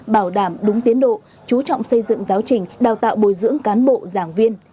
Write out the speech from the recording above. bảo đảm đúng tiến độ chú trọng xây dựng giáo trình đào tạo bồi dưỡng cán bộ giảng viên